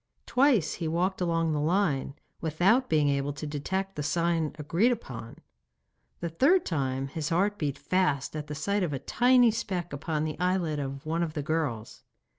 Twice he walked along the line, without being able to detect the sign agreed upon. The third time his heart beat fast at the sight of a tiny speck upon the eyelid of one of the girls.